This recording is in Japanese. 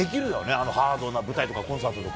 あのハードな舞台とかコンサートとか。